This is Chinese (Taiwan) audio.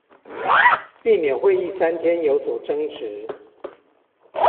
避免會議三天有所爭執